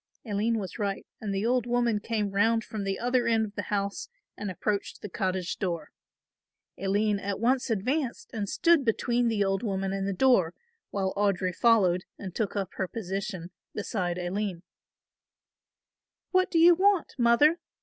Aline was right and the old woman came round from the other end of the house and approached the cottage door. Aline at once advanced and stood between the old woman and the door, while Audry followed and took up her position beside Aline. "What do you want, mother?"